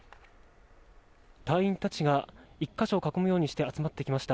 隊員たちが１か所を囲むようにして集まってきました。